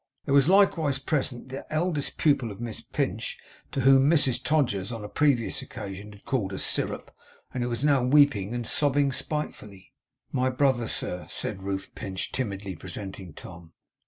There was likewise present that eldest pupil of Miss Pinch, whom Mrs Todgers, on a previous occasion, had called a syrup, and who was now weeping and sobbing spitefully. 'My brother, sir,' said Ruth Pinch, timidly presenting Tom.